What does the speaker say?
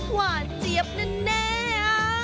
หวานเจี๊ยบแน่